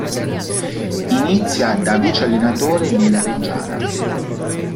Inizia da vice-allenatore nella Reggiana.